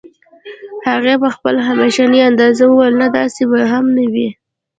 هغې په خپل همېشني انداز وويل نه داسې به هم نه وي